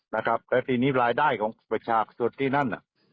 และทีนี้รายได้ของประชาติส่วนที่นั่น